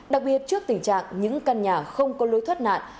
đặc biệt trước tình trạng những căn nhà không có lối thoát nạn